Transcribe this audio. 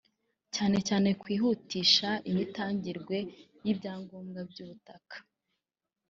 cyane cyane kwihutisha imitangirwe y’ibyangombwa by’ubutaka